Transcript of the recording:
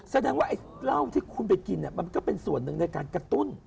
แสดงว่าไอ้เหล้าที่คุณไปกินมันก็เป็นส่วนหนึ่งในการกระตุ้น